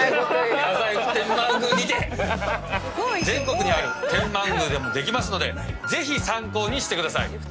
全国にある天満宮でもできますのでぜひ参考にしてください。